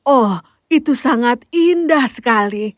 oh itu sangat indah sekali